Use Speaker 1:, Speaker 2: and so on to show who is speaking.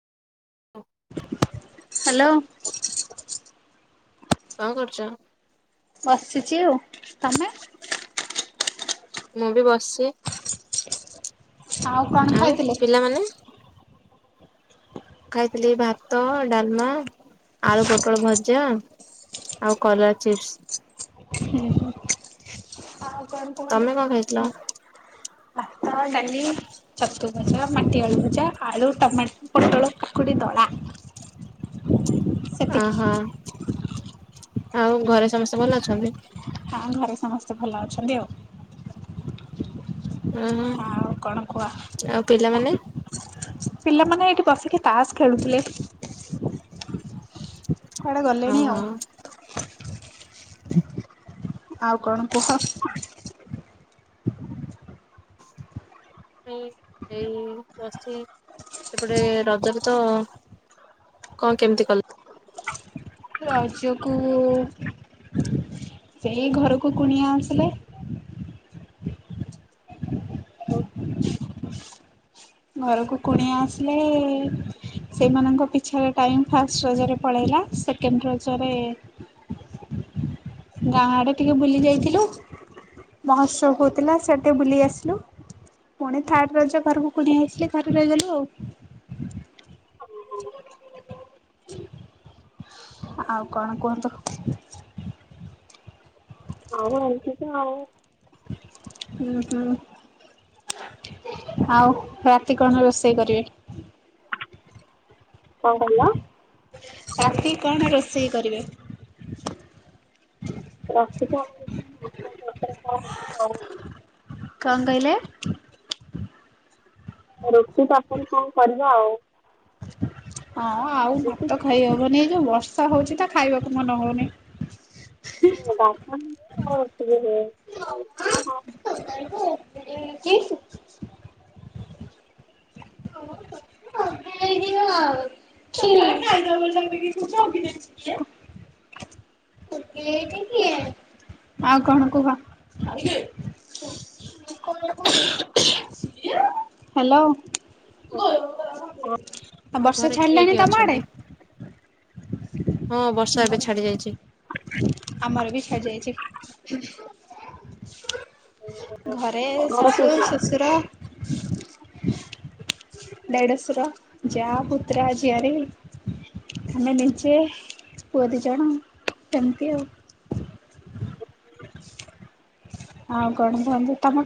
Speaker 1: [unintelligible]
Speaker 2: Hello.
Speaker 1: କଣ କରୁଚ?
Speaker 2: ବସିଚି ଆଉ। ତମେ?
Speaker 1: ମୁଁ ବି ବସିଚି।
Speaker 2: ଆଉ କଣ
Speaker 1: ଆଉ
Speaker 2: ଖାଇଥିଲେ?
Speaker 1: ପିଲାମାନେ? ମୁଁ ଖାଇଥିଲି ଭାତ, ଡାଲମା, ଆଳୁ ପୋଟଳ ଭଜା ଆଉ କଲରା ଚିପ୍ସ।
Speaker 2: ଉଁ ହୁଁ।
Speaker 1: ତମେ କଣ ଖାଇଥିଲ?
Speaker 2: ଭାତ, ଡାଲି ଛତୁ ଭଜା, ମାଟିଆଳୁ ଭଜା, ଆଳୁ, ଟମାଟୋ, ପୋଟଳ କାକୁୁଡି ଦଳା। ସେତିକି
Speaker 1: ଓହୋ। ଆଉ ଘରେ ସମସ୍ତେ ଭଲ ଅଛନ୍ତି?
Speaker 2: ହଁ ଘରେ ସମସ୍ତେ ଭଲ ଅଛନ୍ତି ଆଉ।
Speaker 1: ଓହୋ।
Speaker 2: ଆଉ କଣ କୁହ?
Speaker 1: ଆଉ ପିଲାମାନେ?
Speaker 2: ପିଲାମାନେ ଏଇଠି ବସିକି ତାସ ଖେଳୁଥିଲେ। କୁଆଡେ ଗଲେଣି ଆଉ।
Speaker 1: ଓହୋ।
Speaker 2: ଆଉ କଣ କୁହ?
Speaker 1: ଏ ଏଇ ବସିଚି। ସେପଟେ ରଜକୁ ତ କଣ କେମିତି କଲ?
Speaker 2: ରଜକୁ ସେଇ ଘରକୁ କୁଣିଆ ଆସିଲେ। ଘରକୁ କୁଣିଆ ଆସିଲେ ସେଇମାନଙ୍କ ପିଛାରେ ଟାଇମ ଫାଷ୍ଟ ରଜରେ ପଳେଇଲା ସେକେଣ୍ଡ ରଜରେ ଗାଁ ଆଡେ ଟିକେ ବୁଲି ଯାଇଥିଲୁ। ମହୋଶ୍ଚବ ହଉଥିଲା ସିଆଡେ ଟିକେ ବୁଲି ଆସିଲୁ। ପୁଣି ଥାଡ ରଜ ଘରକୁ କୁଣିଆ ଆସିଲେ ଘରେ ରହିଗଲୁ ଆଉ। ଆଉ କଣ କୁହନ୍ତୁ?
Speaker 1: ଆଉ ଏମିତି କି ନ ହେଉ।
Speaker 2: ଉଁ ହୁଁ ଆଉ ରାତି କଣ ରୋଷେଇ କରିବେ?
Speaker 1: କଣ କହିଲ?
Speaker 2: ରାତିକି କଣ ରୋଷେଇ କରିବେ?
Speaker 1: ରାତିକ
Speaker 2: କଣ କହିଲେ?
Speaker 1: ରୁଟି ତରକାରି କଣ କରିବା ଆଉ?
Speaker 2: ହଁ ଆଉ ଭାତ ଖାଇ ହବନି ଏ ଯୋଉ ବର୍ଷା ହଉଛି ତ ଖାଇବାକୁ ମନ ହଉନି।
Speaker 1: [unintelligible]
Speaker 2: କି [unintelligible] [unintelligible] [unintelligible] ଆଉ କଣ କୁହ? [unintelligible] ହାଲୋ। [unintelligible]
Speaker 1: ଆଉ
Speaker 2: ବର୍ଷା
Speaker 1: ଘରେ କିଏ
Speaker 2: ଛାଡିଲାଣି
Speaker 1: କିଏ
Speaker 2: ତମ ଆଡେ।
Speaker 1: ଅଛନ୍ତି? ହଁ ବର୍ଷା ଏବେ
Speaker 2: ଘରେ
Speaker 1: ଛାଡି ଯାଇଛି।
Speaker 2: ଆମର ବି ଛାଡି ଯାଇଛି। [inaudible] ଘରେ
Speaker 1: ଘର
Speaker 2: ଶାଶୁ
Speaker 1: କୋଉଠି?
Speaker 2: ଶଶୁର ଦେଢସୁର ଯାଆ ପୁତୁରା ଝିଆରୀ ଆମେ ନିଜେ ପୁଅ ଦି ଜଣ ଏମିତି ଆଉ। ଆଉ କଣ ଭଲ ତମ